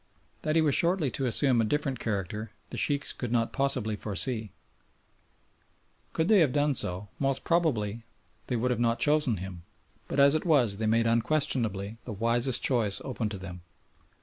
That he was shortly to assume a different character the Sheikhs could not possibly foresee. Could they have done so, most probably they would not have chosen him, but as it was they made unquestionably the wisest choice open to them.